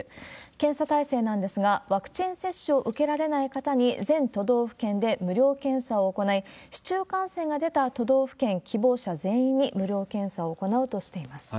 検査体制なんですが、ワクチン接種を受けられない方に全都道府県で無料検査を行い、市中感染が出た都道府県、希望者全員に無料検査を行うとしています。